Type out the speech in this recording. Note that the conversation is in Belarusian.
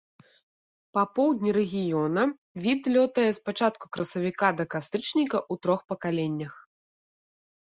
Па поўдні рэгіёна від лётае з пачатку красавіка да кастрычніка ў трох пакаленнях.